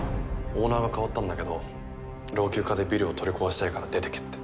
オーナーが代わったんだけど老朽化でビルを取り壊したいから出ていけって。